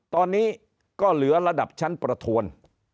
ตอนนี้ก็เหลือระดับชั้นประทวน